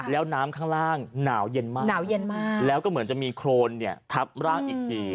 แล้วน้ำข้างล่างหนาวเย็นมากแล้วก็เหมือนจะมีโครนทับร่างอีกที